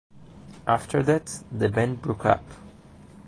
After that, the band broke up.